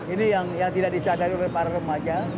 ini yang tidak dicadari oleh para remaja